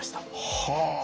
はあ。